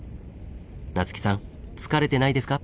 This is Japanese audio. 夏木さん疲れてないですか？